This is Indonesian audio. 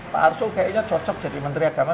pak arsul kayaknya cocok jadi menteri agama